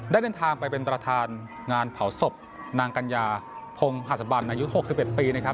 ได้เดินทางไปเป็นตรฐานงานเผาศพนางกัญญาพงศ์หัสบรรย์ในยุคหกสิบเอ็ดปีนะครับ